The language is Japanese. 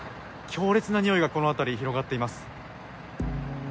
強烈なにおいがこの辺り広がっています。